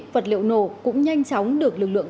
vật liệu nổ cũng nhanh chóng được lực lượng